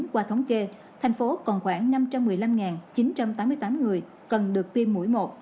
qua thống kê thành phố còn khoảng năm trăm một mươi năm chín trăm tám mươi tám người cần được tiêm mũi một